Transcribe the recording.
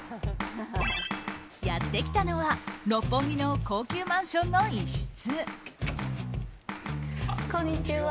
やってきたのは六本木の高級マンションの一室。